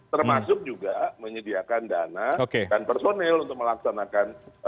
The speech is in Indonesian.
termasuk juga menyediakan dana dan personel untuk melaksanakan